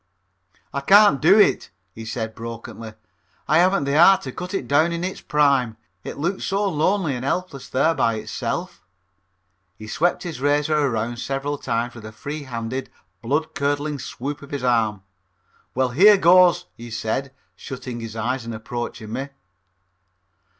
"I can't do it," he said brokenly, "I haven't the heart to cut it down in its prime. It looks so lonely and helpless there by itself." He swept his razor around several times with a free handed, blood curdling swoop of his arm. "Well, here goes," he said, shutting his eyes and approaching me.